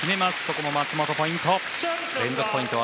ここも松本のポイント。